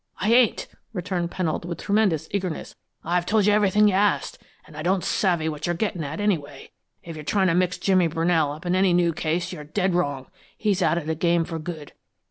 "I ain't!" returned Pennold, with tremendous eagerness. "I've told you everything you asked, an' I don't savvy what you're gettin' at, anyway. If you're tryin' to mix Jimmy Brunell up in any new case you're dead wrong; he's out of the game for good.